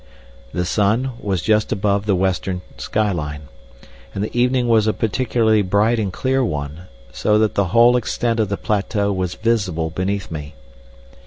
The sun was just above the western sky line, and the evening was a particularly bright and clear one, so that the whole extent of the plateau was visible beneath me.